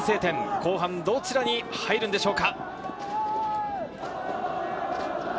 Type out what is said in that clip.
後半どちらに入るんでしょうか。